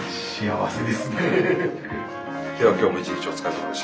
では今日も一日お疲れさまでした。